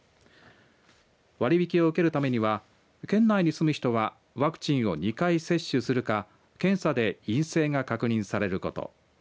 割り引きを受けるためには県内に住む人はワクチンを２回接種するか検査で陰性が確認されること。